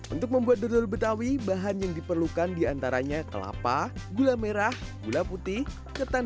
untuk membuat dodol betawi bahan yang diperlukan diantaranya kelapa gula merah gula putih ketan